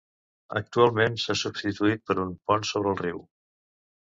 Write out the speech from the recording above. Actualment s'ha substituït per un pont sobre el riu.